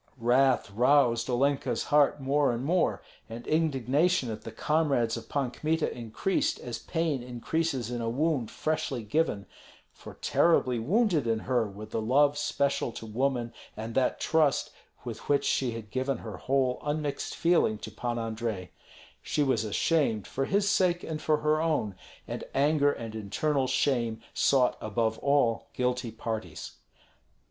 Wrath roused Olenka's heart more and more, and indignation at the comrades of Pan Kmita increased as pain increases in a wound freshly given; for terribly wounded in her were the love special to woman and that trust with which she had given her whole unmixed feeling to Pan Andrei. She was ashamed, for his sake and for her own, and anger and internal shame sought above all guilty parties.